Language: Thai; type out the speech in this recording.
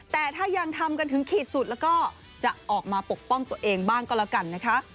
แต่ถ้ายังทำกันถึงขีดสุดแล้วก็จะออกมาปกป้องตัวเองบ้างก็แล้วกันนะคะ